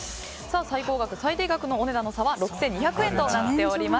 最高額、最低額のお値段の差は６２００円となっています。